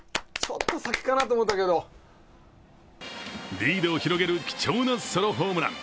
リードを広げる貴重なソロホームラン。